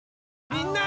みんな！